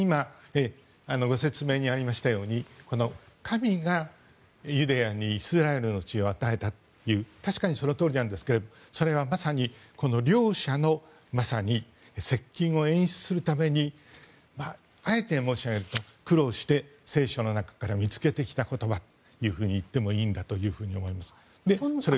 説明にありましたが神がユダヤにイスラエルの地を与えたと確かにそのとおりなんですけどそれはまさに両者の接近を演出するためにあえて申し上げると苦労して聖書の中から見つけてきた言葉といってもいいんだと思います。